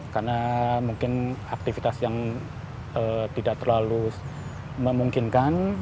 karena mungkin aktivitas yang tidak terlalu memungkinkan